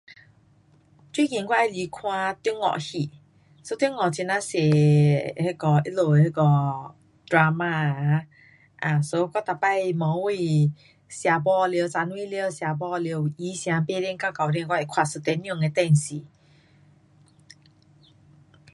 最近我喜欢看中国戏。so 中国很呀多那个他们的那个 drama 啊。so 我每天晚上吃饱了，冲凉了，吃饱了闲时头八点到九点我会看一钟头的电视。